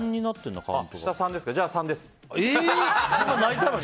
じゃあ、３です。